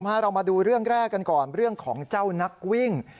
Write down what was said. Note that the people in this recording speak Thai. เรามาดูเรื่องแรกกันก่อนเรื่องของเจ้านักวิ่ง